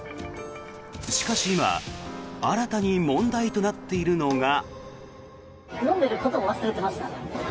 しかし今、新たに問題となっているのが。